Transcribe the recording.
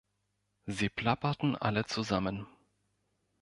Sie plapperten alle zusammen.